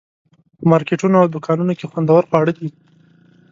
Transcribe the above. په مارکیټونو او دوکانونو کې خوندور خواړه دي.